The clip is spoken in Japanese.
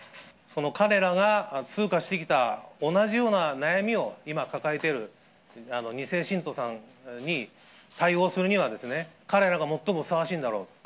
この彼らが通過してきた同じような悩みを今抱えている２世信徒さんに対応するにはですね、彼らが最もふさわしいんだろう。